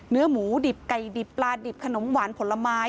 เนื้อหมูดิบไก่ดิบปลาดิบขนมหวานผลไม้